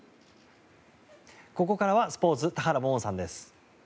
ここからはスポーツ田原萌々さんです。